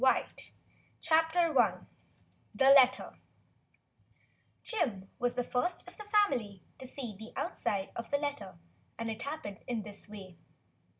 134 THE BLUE AUNT I TheLetter JIM was the first of the family to see the outside of the letter, and it happened in this way.